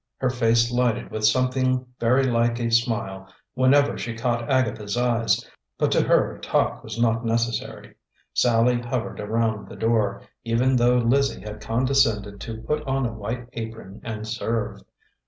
Her face lighted with something very like a smile whenever she caught Agatha's eyes, but to her talk was not necessary. Sallie hovered around the door, even though Lizzie had condescended to put on a white apron and serve.